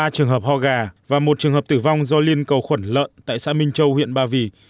ba trường hợp ho gà và một trường hợp tử vong do liên cầu khuẩn lợn tại xã minh châu huyện ba vì